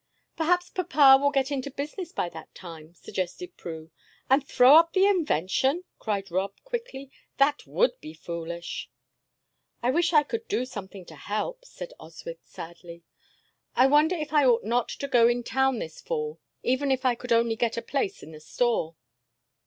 "Perhaps papa will get into business by that time," suggested Prue. "And throw up the invention?" cried Rob, quickly. "That would be foolish!" "I wish I could do something to help," said Oswyth, sadly. "I wonder if I ought not to go in town this fall, even if I could only get a place in a store."